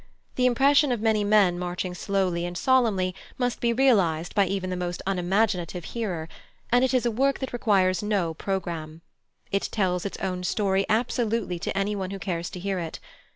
The impression of many men marching slowly and solemnly must be realised by even the most unimaginative hearer, and it is a work that requires no programme. It tells its own story absolutely to anyone who cares to hear it.